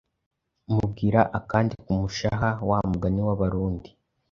mubwira akandi ku mushaha wa mugani w'abarundi